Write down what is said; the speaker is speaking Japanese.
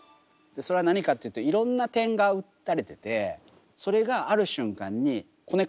それは何かっていうといろんな点が打たれててそれがある瞬間にコネクトつながる。